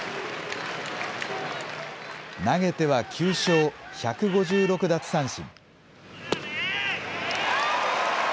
投げては９勝、１５６奪三振。